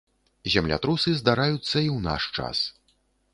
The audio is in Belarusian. Землятрусы здараюцца і ў наш час.